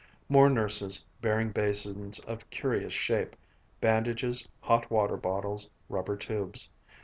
More nurses, bearing basins of curious shape, bandages, hot water bottles, rubber tubes.